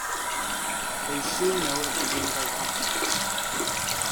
They soon know if the games are compromised.